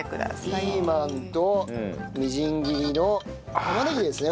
ピーマンとみじん切りの玉ねぎですね。